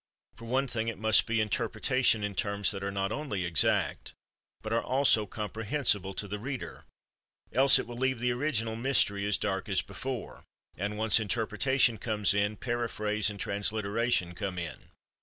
For one thing, it must be interpretation in terms that are not only exact but are also comprehensible to the reader, else it will leave the original mystery as dark as before—and once interpretation comes in, paraphrase and transliteration come in.